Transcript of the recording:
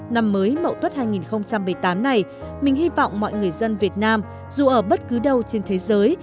năm mới mậu tuất hai nghìn một mươi tám này mình hy vọng mọi người dân việt nam dù ở bất cứ đâu trên thế giới